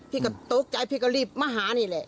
พี่ก็ตกใจพี่ก็รีบมาหานี่แหละ